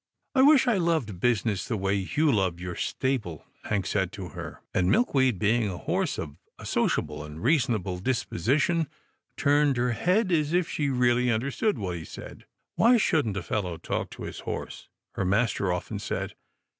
" I wish I loved business the way you love your stable," Hank said to her, and Milkweed, being a horse of a sociable and reasonable disposition, turned her head as if she really understood what he said. " Why shouldn't a fellow talk to his horse? " her master often said.